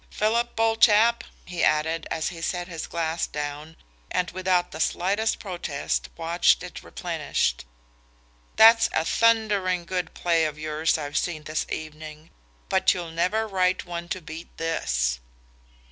Philip, old chap," he added, as he set his glass down and without the slightest protest watched it replenished, "that's a thundering good play of yours I've seen this evening, but you'll never write one to beat this!"